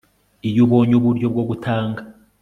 iyo ubonye uburyo bwo gutanga